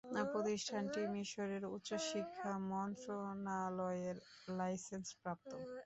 প্রতিষ্ঠানটি মিশরের উচ্চ শিক্ষা মন্ত্রণালয়ের লাইসেন্সপ্রাপ্ত।